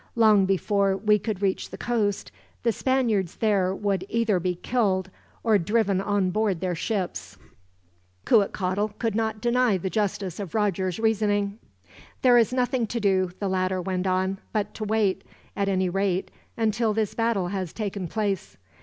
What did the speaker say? Long before we could reach the coast, the Spaniards there would either be killed, or driven on board their ships." Cuitcatl could not deny the justice of Roger's reasoning. "There is nothing to do," the latter went on, "but to wait at any rate, until this battle has taken place.